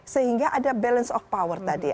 sehingga ada balance of power tadi